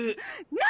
何？